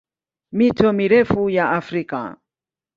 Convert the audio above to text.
Mito mirefu ya Afrika